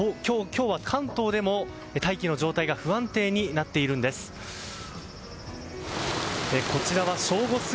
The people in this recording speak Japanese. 今日は関東でも大気の状態が不安定になっているんです。